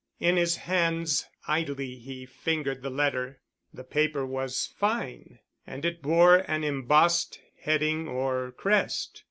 In his hands idly he fingered the letter. The paper was fine and it bore an embossed heading or crest.